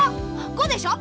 「ご」でしょ。